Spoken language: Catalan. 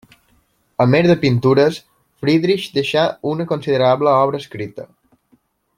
A més de pintures, Friedrich deixà una considerable obra escrita.